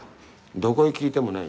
どこへ聞いてもない。